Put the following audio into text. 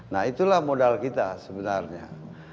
nah itulah modal kita sebenarnya